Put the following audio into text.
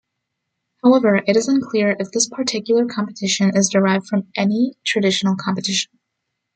However, it is unclear if this particular competition is derived from any traditional competition.